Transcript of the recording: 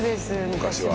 昔は。